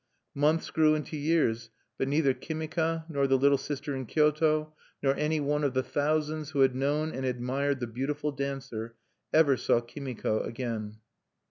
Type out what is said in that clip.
Months grew into years; but neither Kimika, nor the little sister in Kyoto, nor any one of the thousands who had known and admired the beautiful dancer, ever saw Kimiko again.